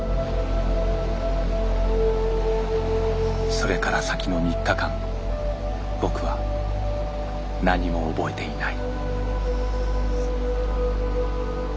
それから先の３日間僕は何も覚えていない。